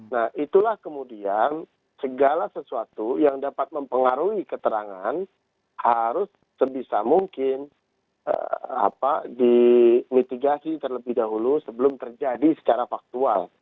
nah itulah kemudian segala sesuatu yang dapat mempengaruhi keterangan harus sebisa mungkin dimitigasi terlebih dahulu sebelum terjadi secara faktual